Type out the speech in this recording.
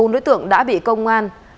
bốn đối tượng đã bị công an